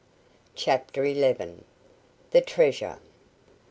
CHAPTER ELEVEN. THE TREASURE.